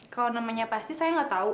kalau namanya pasti saya nggak tahu